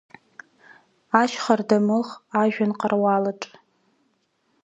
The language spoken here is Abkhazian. Ашьха рдамыӷ, жәҩан ҟарулаҿ.